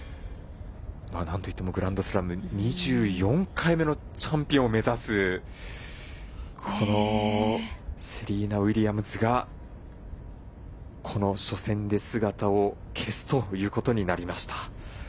なんといってもグランドスラム２４回目のチャンピオンを目指すこのセリーナ・ウィリアムズが初戦で姿を消すということになりました。